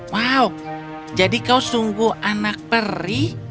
wow jadi kau sungguh anak peri